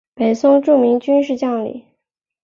北宋著名军事将领。